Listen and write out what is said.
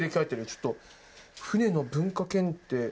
ちょっと、船の文化検定